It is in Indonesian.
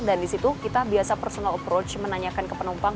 dan di situ kita biasa personal approach menanyakan ke penumpang